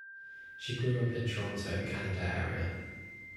She grew up in the Toronto, Canada, area.